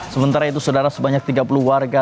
sementara itu saudara sebanyak tiga puluh warga